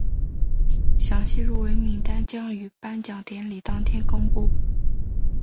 详细入围名单将于颁奖典礼当天公布。